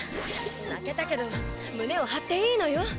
負けたけど胸を張っていいのよ！